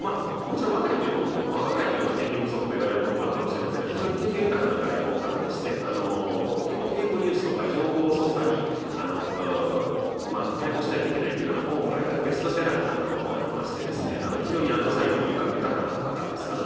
もちろん若いというのも、若いというのが経験不足ということもいわれることがあるかもしれませんが、非常に経験豊かな外交官でして、結構、フェイクニュースとか、情報操作に対抗しないといけないというような本を書いたら、ベストセラーになったこともありまして、非常に才能も豊かな方です。